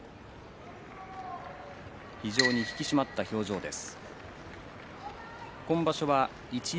非常に引き締まった表情です。